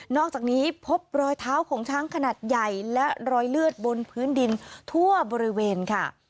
อกจากนี้พบรอยเท้าของช้างขนาดใหญ่และรอยเลือดบนพื้นดินทั่วบริเวณค่ะ